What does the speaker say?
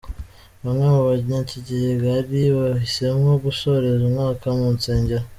Bamwe mu Banyakigali bahisemo gusoreza umwaka mu nsengero